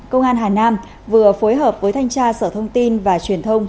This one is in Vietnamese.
công an hà nam vừa phối hợp với thanh tra sở thông tin và truyền thông